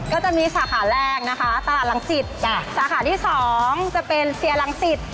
นะก็จะมีสาขาแรกนะคะตลาดหลังจิตสาขาที่สองจะเป็นเปียร์หลังจิต